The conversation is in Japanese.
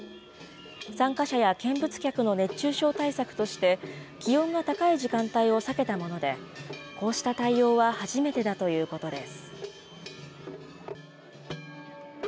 参加者や見物客の熱中症対策として、気温が高い時間帯を避けたもので、こうした対応は初めてだということです。